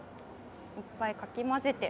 いっぱいかき混ぜて。